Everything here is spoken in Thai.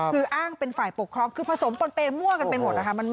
คืออ้างเป็นฝ่ายปกครองคือผสมปนเปรมั่วกันไปหมดนะคะ